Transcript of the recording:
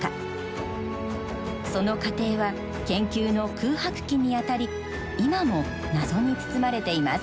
その過程は研究の空白期にあたり今も謎に包まれています。